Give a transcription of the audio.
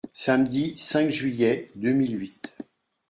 Samedi cinq juillet deux mille huit.